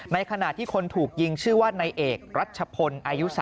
ในขณะที่คนถูกยิงชื่อว่านายเอกรัชชะพนต์อายุ๓๗ปีครับ